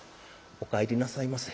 「おかえりなさいませ。